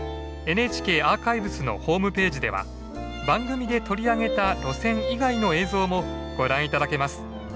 ＮＨＫアーカイブスのホームページでは番組で取り上げた路線以外の映像もご覧頂けます。